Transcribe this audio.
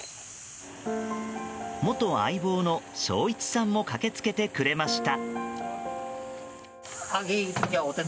元相棒の正一さんも駆けつけてくれました。